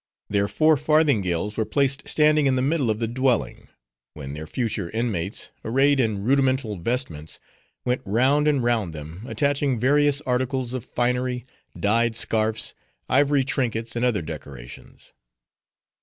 Their four farthingales were placed standing in the middle of the dwelling; when their future inmates, arrayed in rudimental vestments, went round and round them, attaching various articles of finery, dyed scarfs, ivory trinkets, and other decorations.